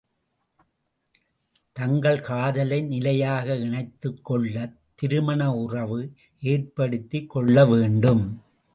தங்கள் காதலை நிலையாக இணைத்துக் கொள்ளத் திருமண உறவு ஏற்படுத்திக் கொள்ள வேண்டும்!